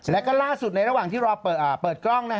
แล้วก็ล่าสุดในระหว่างที่รอเปิดกล้อง